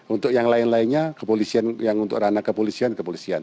untuk yang lain lainnya kepolisian yang untuk ranah kepolisian kepolisian